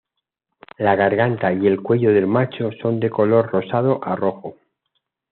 La garganta y el cuello del macho son de color rosado a rojo.